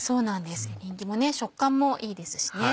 エリンギもね食感もいいですしね。